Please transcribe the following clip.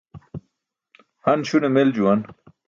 Han śune mel juwan.